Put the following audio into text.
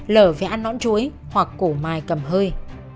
l phải ăn nõn chuối hoặc củ mai cầm hơi